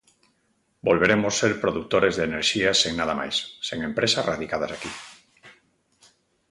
Volveremos ser produtores de enerxía sen nada máis, sen empresas radicadas aquí.